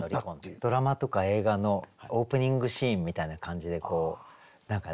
ドラマとか映画のオープニングシーンみたいな感じで何かね